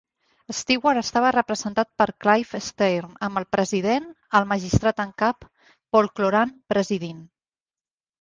Stewart estava representat per Clive Steirn, amb el president el magistrat en cap, Paul Cloran, presidint.